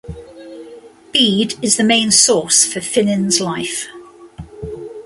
Bede is the main source for Finan's life.